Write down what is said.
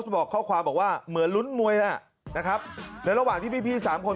บอกข้อความบอกว่าเหมือนลุ้นมวยน่ะนะครับแล้วระหว่างที่พี่สามคน